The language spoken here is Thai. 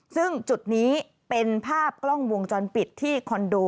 ซึ่งจุดนี้เป็นภาพกล้องวงจรปิดที่คอนโด